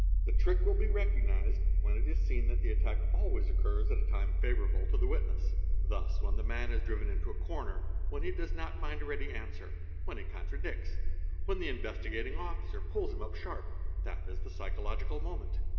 The trick will be recogniz when it is seen that the attack always occurs at a time favourable to t SHAMMING ILLNESS 315 witness. 'Thus when the man is driven into a corner, when he does not find a ready answer, when he contradicts, when the Investigating Officer pulls him up sharp, that is the psychological moment.